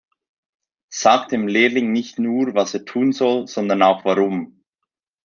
Sag dem Lehrling nicht nur, was er tun soll, sondern auch warum.